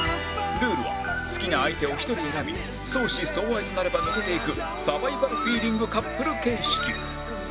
ルールは好きな相手を１人選び相思相愛となれば抜けていくサバイバルフィーリングカップル形式